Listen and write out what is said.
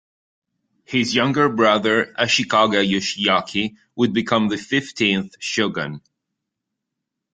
His younger brother Ashikaga Yoshiaki would become the fifteenth shogun.